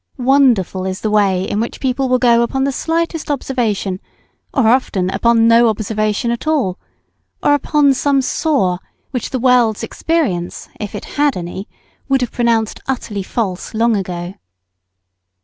Wonderful is the way in which people will go upon the slightest observation, or often upon no observation at all, or upon some saw which the world's experience, if it had any, would have pronounced utterly false long ago.